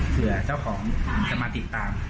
เผื่อเจ้าของจะมาติดตาม